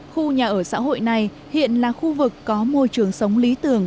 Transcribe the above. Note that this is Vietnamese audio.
khu nhà ở xã hội này hiện là khu vực có môi trường sống lý tưởng